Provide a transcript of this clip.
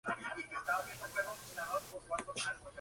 El municipio está formado por un único núcleo de población.